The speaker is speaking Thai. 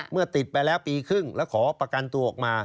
ติดไปแล้วปีครึ่งแล้วขอประกันตัวออกมา